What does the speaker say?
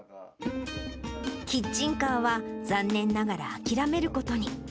キッチンカーは残念ながら諦めることに。